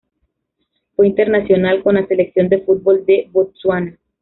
Fue internacional con la selección de fútbol de Botsuana.